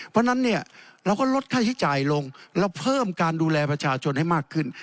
เพราะฉะนั้นเนี่ยเราก็ลดค่าใช้จ่ายลงเราเพิ่มการดูแลประชาชนให้มากขึ้น